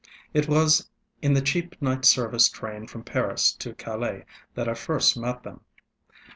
It was in the cheap night service train from Paris to Calais that I first met them.